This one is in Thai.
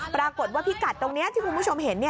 ปรากฏว่าพิกัดตรงนี้ที่คุณผู้ชมเห็น